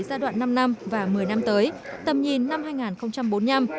giai đoạn năm năm và một mươi năm tới tầm nhìn năm hai nghìn bốn mươi năm